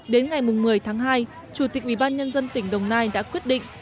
đến ngày một mươi tháng hai chủ tịch ubnd tỉnh đồng nai đã quyết định